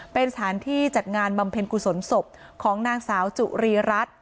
เป็นสถานที่จัดงานบำเพ็ญกุศลศพของนางสาวจุรีรัฐ